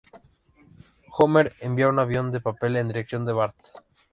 Homer envía un avión de papel en dirección de Bart.